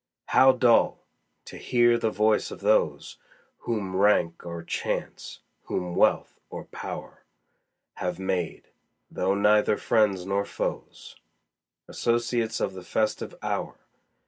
How dull! to hear the voice of those Whom rank or chance, whom wealth or power, Have made, though neither friends nor foes, Associates of the festive hour.